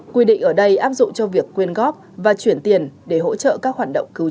quy định ở đây áp dụng cho việc quyên góp và chuyển tiền để hỗ trợ các hoạt động cứu trợ